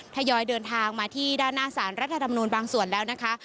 ทยอยเดินทางมาที่ด้านหน้าสารรัฐธรรมนูลบางส่วนแล้วนะคะ